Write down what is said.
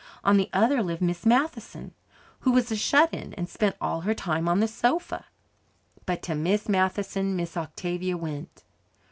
On the other lived Miss Matheson, who was a "shut in" and spent all her time on the sofa. But to Miss Matheson Miss Octavia went.